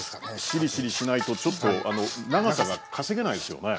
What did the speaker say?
しりしり−しないとちょっと長さが稼げないですよね。